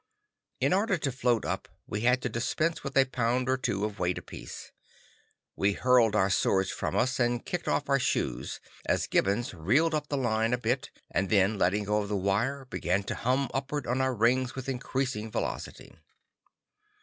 In order to float up, we had to dispense with a pound or two of weight apiece. We hurled our swords from us, and kicked off our shoes as Gibbons reeled up the line a bit, and then letting go of the wire, began to hum upward on our rings with increasing velocity.